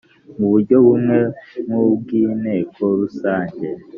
mu buryo bumwe nk ubw inteko rusange